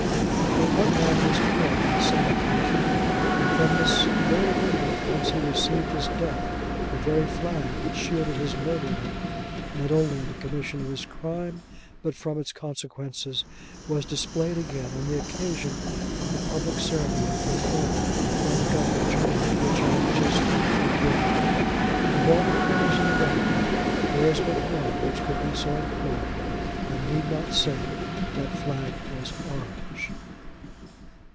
But one man was killed on the same occasion; and from the very window whence he received his death, the very flag which shielded his murderer (not only in the commission of his crime, but from its consequences), was displayed again on the occasion of the public ceremony performed by the Governor General, to which I have just adverted. Of all the colours in the rainbow, there is but one which could be so employed: I need not say that flag was orange.